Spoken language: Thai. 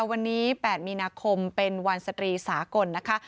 วันนี้๘มีนาคมเป็นวันสตรีสากลนะคะ